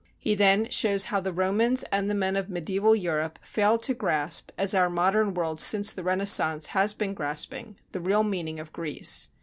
He then shows how the Romans and the men of medieval Europe failed to grasp, as our modern world since the Renaissance has been grasping, the real meaning of Greece.